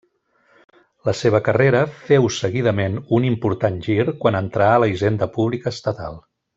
La seva carrera féu seguidament un important gir quan entrà a la hisenda pública estatal.